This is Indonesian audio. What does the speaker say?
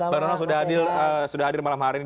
bang donald sudah hadir malam hari ini